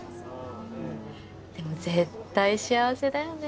でも絶対幸せだよね。